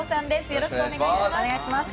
よろしくお願いします。